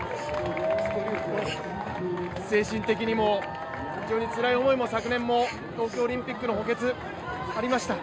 精神的にも非常につらい思いを昨年も東京オリンピックの補欠ありました。